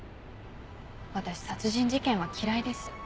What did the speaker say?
私殺人事件は嫌いです。